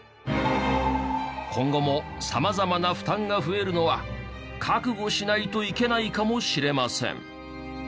今後も様々な負担が増えるのは覚悟しないといけないかもしれません。